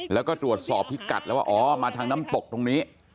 แล้วก็ตรวจสอบพิกัดแล้วว่าอ๋อมาทางน้ำตกตรงนี้